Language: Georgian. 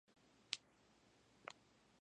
მთავარი წიაღისეული სიმდიდრეა ბარიტი, ტუფი.